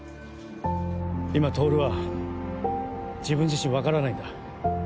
今透は自分自身分からないんだ。